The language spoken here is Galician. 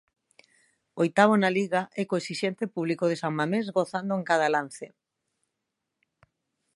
Oitavo na Liga e co exixente público de San Mamés gozando en cada lance.